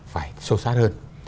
phải sâu sát hơn